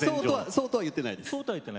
そうとは言っていない。